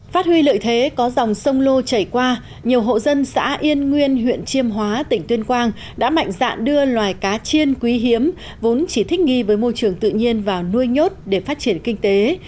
phát huy lợi thế có dòng sông lô chảy qua nhiều hộ dân xã yên nguyên huyện chiêm hóa tỉnh tuyên quang đã mạnh dạn đưa loài cá chiên quý hiếm vốn chỉ thích nghi với môi trường tự nhiên vào nuôi nhốt để phát triển kinh tế